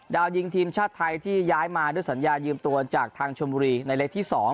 ดาวยิงทีมชาติไทยที่ย้ายมาด้วยสัญญายืมตัวจากทางชมบุรีในเล็กที่๒